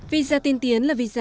visa tiên tiến là visa quốc gia